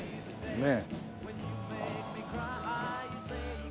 ねえ。